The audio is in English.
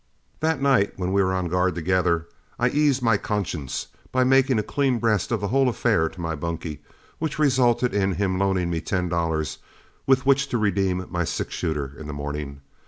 That night when we were on guard together, I eased my conscience by making a clean breast of the whole affair to my bunkie, which resulted in his loaning me ten dollars with which to redeem, my six shooter in the morning.